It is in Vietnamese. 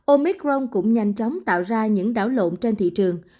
omicron cũng nhanh chóng tạo ra những đảo lộn trên thị trường